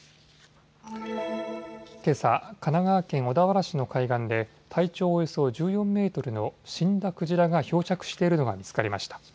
けさ、神奈川県小田原市の海岸で体長およそ１４メートルの死んだクジラが漂着しているのが見つかりました。